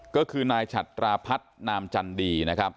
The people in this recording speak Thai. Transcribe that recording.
ก็คือนายฉัตราพัฒนามจันดีนะครับ